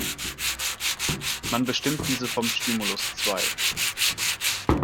Man bestimmt diese vom Stimulus zwei.